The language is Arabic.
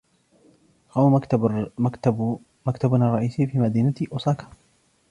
يقع مكتبنا الرئيسي في مدينة أوساكا.